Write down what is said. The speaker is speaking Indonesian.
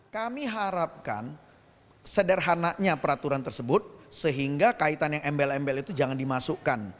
kami harapkan sederhananya peraturan tersebut sehingga kaitan yang embel embel itu jangan dimasukkan